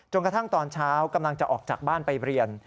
กระทั่งตอนเช้ากำลังจะออกจากบ้านไปเรียน